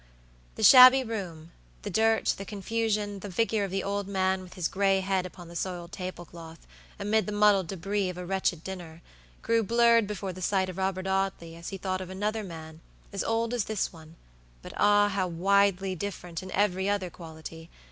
The shabby room, the dirt, the confusion, the figure of the old man, with his gray head upon the soiled tablecloth, amid the muddled débris of a wretched dinner, grew blurred before the sight of Robert Audley as he thought of another man, as old as this one, but, ah! how widely different in every other quality!